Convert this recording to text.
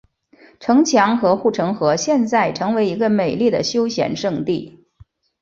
城墙和护城河现在成为一个美丽的休闲胜地。